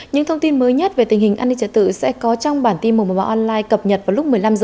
những thông tin mới nhất về tình hình an ninh trợ tự sẽ có trong bản tin mùa màu màu online cập nhật vào lúc một mươi năm h